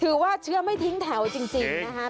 ถือว่าเชื้อไม่ทิ้งแถวจริงนะคะ